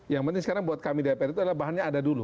yang penting sekarang buat kami dpr itu adalah bahannya ada dulu